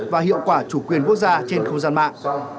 và hiệu quả chủ quyền quốc gia trên không gian mạng